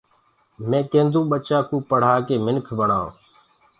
مي ڪينٚدو ٻچآ ڪو پڙهآ ڪي منک بڻآئو